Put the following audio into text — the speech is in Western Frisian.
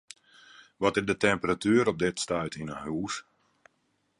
Wat is de temperatuer op it stuit yn 'e hûs?